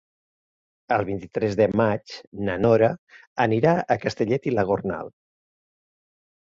El vint-i-tres de maig na Nora anirà a Castellet i la Gornal.